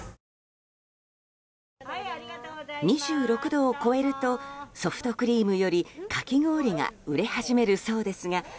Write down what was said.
２６度を超えるとソフトクリームよりかき氷が売れ始めるそうです。